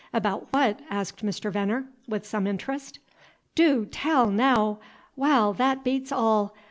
"About what?" asked Mr. Veneer, with some interest. "Dew tell, naow! Waal, that beats all!